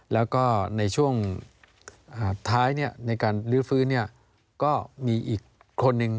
แล้วก็ในช่วงท้ายเนี่ยในการลื้อฟื้นเนี่ยก็มีอีกคนหนึ่ง